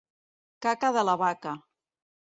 Caca de la vaca.